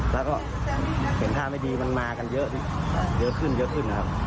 แล้วก็เห็นท่าไม่ดีมันมากันเยอะเยอะขึ้นเยอะขึ้นนะครับ